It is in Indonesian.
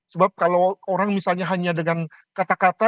sebab kalau orang misalnya hanya dengan kata kata